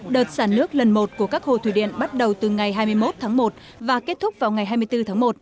đợt sản nước lần một của các hồ thủy điện bắt đầu từ ngày hai mươi một tháng một và kết thúc vào ngày hai mươi bốn tháng một